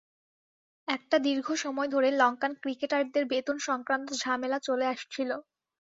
একটা দীর্ঘ সময় ধরে লঙ্কান ক্রিকেটারদের বেতন সংক্রান্ত ঝামেলা চলে আসছিল।